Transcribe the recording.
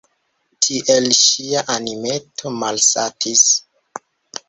Tiel ŝia animeto malsatis.